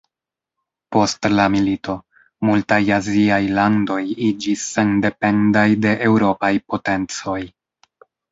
Post la milito, multaj Aziaj landoj iĝis sendependaj de Eŭropaj potencoj.